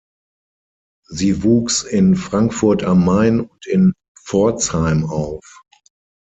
Sie wuchs in Frankfurt am Main und in Pforzheim auf.